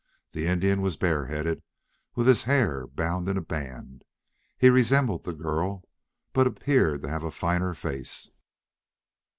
The Indian was bareheaded, with his hair bound in a band. He resembled the girl, but appeared to have a finer face.